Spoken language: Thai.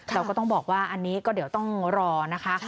เราก็ต้องบอกว่าอันนี้ก็เดี๋ยวต้องรอนะคะ